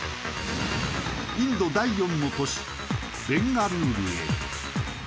インド第４の都市ベンガルールへ。